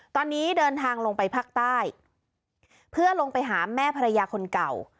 ตอนนี้เดินทางลงไปภาคใต้เพื่อลงไปหาแม่ภรรยาคนเก่า